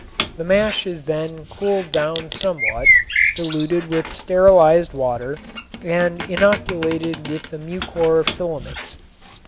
The mash is then cooled down somewhat, diluted with sterilized water and innoculated with the mucor filaments.